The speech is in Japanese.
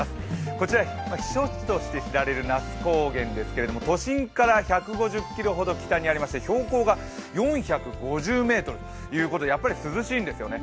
こちら避暑地として知られる那須高原ですが都心から１５０ｋｍほど北にありまして標高が４５０ｍということでやっぱり涼しいんですよね。